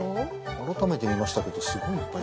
改めて見ましたけどすごいいっぱい。